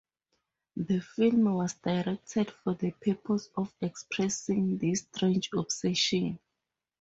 The film was directed for the purpose of expressing this strange obsession.